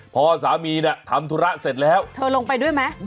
พอสามีเนี่ยทำธุระเสร็จแล้วเธอลงไปด้วยไหม